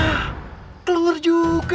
wah kelenger juga